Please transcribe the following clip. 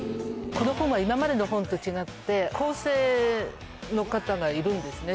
この本は今までの本と違って、構成の方がいるんですね。